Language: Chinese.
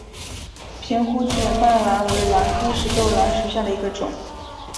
瓶壶卷瓣兰为兰科石豆兰属下的一个种。